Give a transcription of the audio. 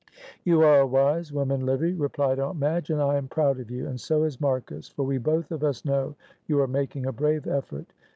"You are a wise woman, Livy," replied Aunt Madge. "And I am proud of you, and so is Marcus, for we both of us know you are making a brave effort.